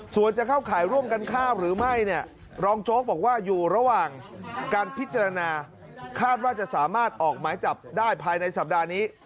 ส่วนจะเข้าข่ายร่วมกันฆ่าหรือไม่เนี่ยรองโจ๊กบอกว่าอยู่ระหว่างการพิจารณาคาดว่าจะสามารถออกหมายจับได้ภายในสัปดาห์นี้